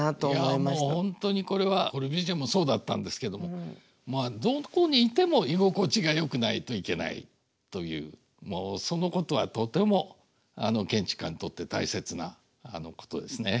いやもう本当にこれはコルビュジエもそうだったんですけどもまあどこにいても居心地がよくないといけないというもうそのことはとても建築家にとって大切なことですね。